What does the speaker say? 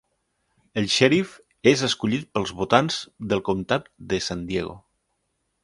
El xèrif és escollit pels votants del comptat de San Diego.